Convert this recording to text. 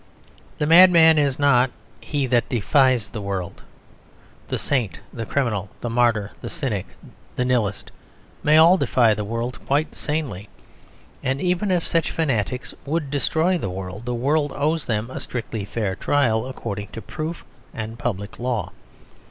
The madman is not he that defies the world. The saint, the criminal, the martyr, the cynic, the nihilist may all defy the world quite sanely. And even if such fanatics would destroy the world, the world owes them a strictly fair trial according to proof and public law.